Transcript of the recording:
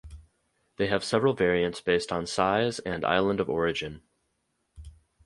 They have several variants based on size and island of origin.